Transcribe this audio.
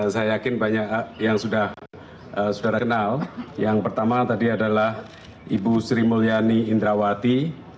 saya yakin banyak yang sudah kenal yang pertama tadi adalah ibu sri mulyani indrawati